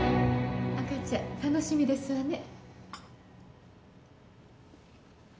赤ちゃん楽しみですわね。